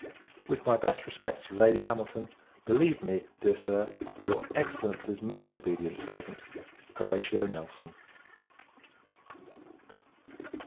With my best respects to Lady Hamilton, believe me, dear Sir, your Excellency's most obedient servant, HORATIO NELSON.